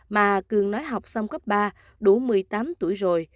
mà cường nói học xong cấp ba đủ một mươi tám tuổi rồi